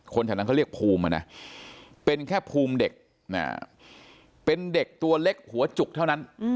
แถวนั้นเขาเรียกภูมิมานะเป็นแค่ภูมิเด็กเป็นเด็กตัวเล็กหัวจุกเท่านั้น